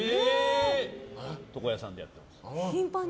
床屋さんでやってます。